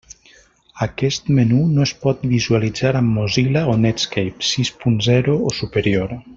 Aquest menú no es pot visualitzar amb Mozilla o Netscape sis punt zero o superior.